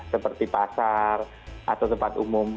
seperti pasar atau tempat umum